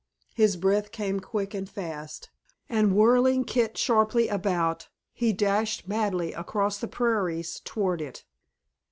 His breath came quick and fast, and whirling Kit sharply about he dashed madly across the prairies toward it.